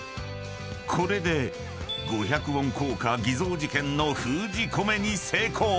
［これで５００ウォン硬貨偽造事件の封じ込めに成功！］